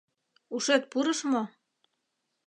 Ушет пурыш мо?